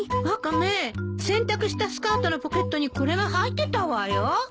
ワカメ洗濯したスカートのポケットにこれが入ってたわよ。